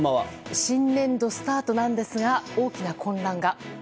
新年度スタートなんですが大きな混乱が。